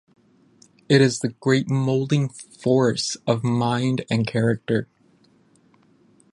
It is the great molding force of mind and character.